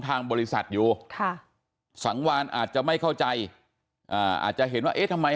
ทางบริษัทอยู่ค่ะสังวานอาจจะไม่เข้าใจอาจจะเห็นว่าเอ๊ะทำไม